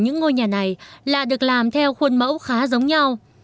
những ngôi nhà này lại được làm theo khuôn mẫu khá giống nhau